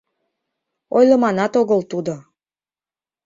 Ойлыманат огыл тудо.